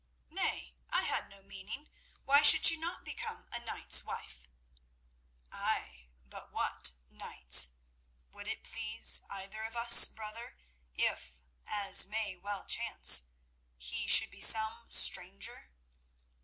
"Nay, I had no meaning. Why should she not become a knight's wife?" "Ay, but what knight's? Would it please either of us, brother, if, as may well chance, he should be some stranger?"